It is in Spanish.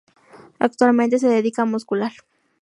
Actualmente se dedica a muscular.